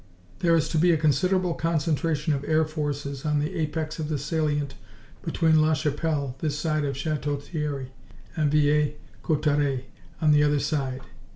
There is to be a considerable concentration of air forces on the apex of the salient between la Chapelle, this side of Chateau Thierry, and Villers Cotterets, on the other side.